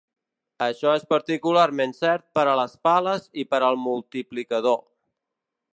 Això és particularment cert per a les pales i per al multiplicador.